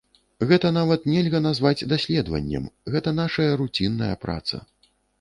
Гэта нават нельга назваць даследаваннем, гэта нашая руцінная праца.